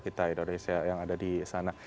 kita indonesia yang ada di sana